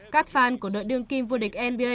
các fan của đội đương kim vua địch nba